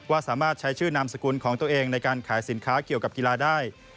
สามารถใช้ชื่อนามสกุลของตัวเองในการขายสินค้าเกี่ยวกับกีฬาได้